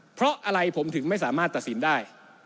เพราะอะไรผมถึงไม่สามารถตัดสินได้